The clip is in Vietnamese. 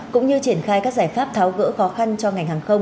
cũng như triển khai các giải pháp tháo gỡ khó khăn cho ngành hàng không